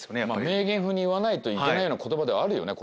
名言風に言わないといけない言葉ではあるよね